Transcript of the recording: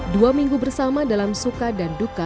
dua minggu bersama dalam suka dan duka